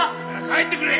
帰ってくれ！